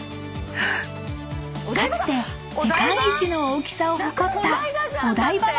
［かつて世界一の大きさを誇ったお台場の観覧車］